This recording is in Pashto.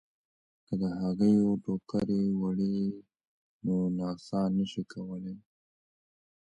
که د هګیو ټوکرۍ وړئ نو نڅا نه شئ کولای.